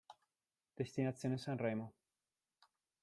Destinazione Sanremo